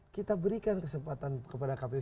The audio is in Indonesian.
kita berikan kesempatan kepada kpu